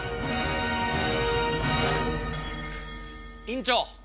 院長！